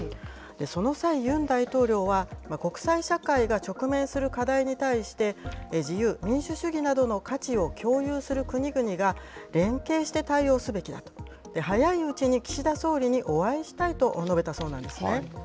その際、ユン大統領は、国際社会が直面する課題に対して、自由・民主主義などの価値を共有する国々が、連携して対応すべきだと、早いうちに岸田総理にお会いしたいと述べたそうなんですね。